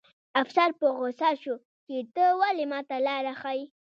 افسر په غوسه شو چې ته ولې ماته لاره ښیې